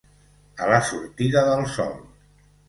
A la sortida del sol.